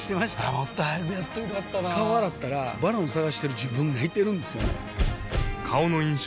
もっと早くやっといたら良かったなぁ顔洗ったら「ＶＡＲＯＮ」探してる自分がいてるんですよね